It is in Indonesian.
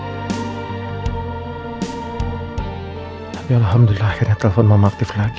tapi alhamdulillah akhirnya telfon mama aktif lagi